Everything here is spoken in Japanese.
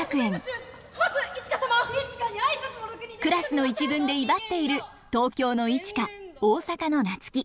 クラスの一軍で威張っている東京のイチカ大阪のナツキ。